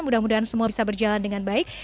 mudah mudahan semua bisa berjalan dengan baik